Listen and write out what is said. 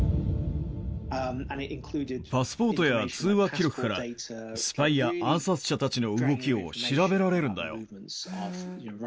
パスポートや通話記録から、スパイや暗殺者たちの動きを調べられるんだよ。